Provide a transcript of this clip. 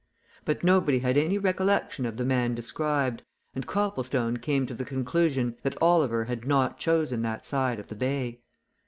But nobody had any recollection of the man described, and Copplestone came to the conclusion that Oliver had not chosen that side of the bay.